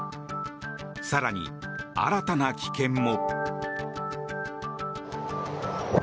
更に、新たな危険も。